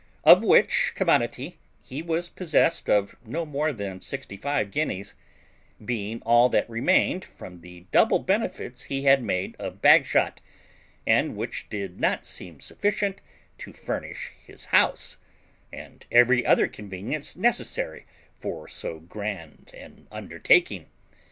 Of which commodity he was possessed of no more than sixty five guineas, being all that remained from the double benefits he had made of Bagshot, and which did not seem sufficient to furnish his house, and every other convenience necessary for so grand an undertaking.